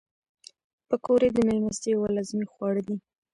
پکورې د میلمستیا یو لازمي خواړه دي